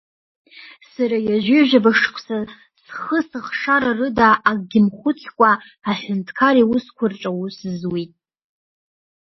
Сара ҩажәижәаба шықәса схы-сыхшара рыда акгьы мхәыцкәа, аҳәынҭқар иусқәа рҿы аус зуит…